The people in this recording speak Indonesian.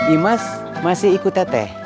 imas masih ikut teteh